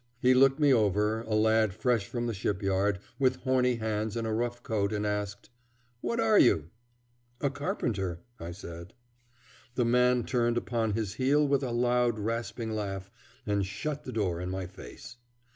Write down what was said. He looked me over, a lad fresh from the shipyard, with horny hands and a rough coat, and asked: "What are you?" "A carpenter," I said. The man turned upon his heel with a loud, rasping laugh and shut the door in my face.